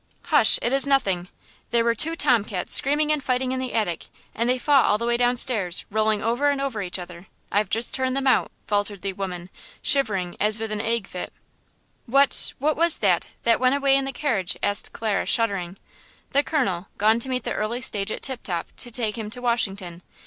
"Hush! it is nothing! There were two tomcats screaming and fighting in the attic, and they fought all the way downstairs, rolling over and over each other. I've just turned them out," faltered the woman, shivering as with an ague fit. "What–what was that–that went away in the carriage?" asked Clara shuddering. "The colonel, gone to meet the early stage at Tip Top, to take him to Washington.